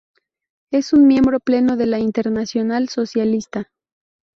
Es un miembro pleno de la Internacional Socialista.